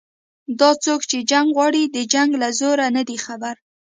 دا څوک چې جنګ غواړي د جنګ له زوره نه دي خبر